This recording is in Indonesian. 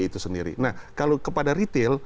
itu sendiri nah kalau kepada retail